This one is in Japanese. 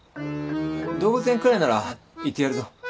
動物園くらいなら行ってやるぞ。